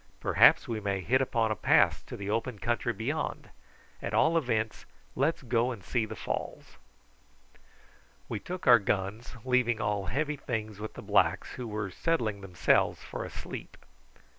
Perhaps we may hit upon a pass to the open country beyond. At all events let's go and see the falls." We took our guns, leaving all heavy things with the blacks, who were settling themselves for a sleep.